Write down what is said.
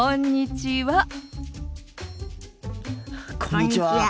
こんにちは。